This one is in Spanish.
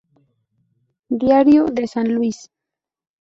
Diario de San Luis.